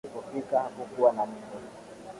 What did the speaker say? Alipofika hakukuwa na mtu